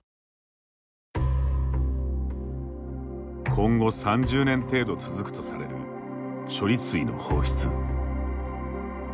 今後３０年程度続くとされる処理水の放出。